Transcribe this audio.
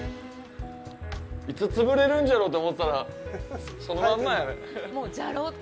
いつ潰れるんじゃろと思ってたらそのまんまやね。